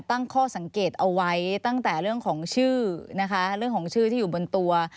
ตั้งข้อสังเกตเอาไว้ตั้งแต่เรื่องของชื่อนะคะเรื่องของชื่อที่อยู่บนตัว